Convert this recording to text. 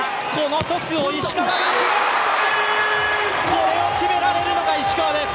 これを決められるのが石川です。